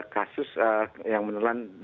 kasus yang menelan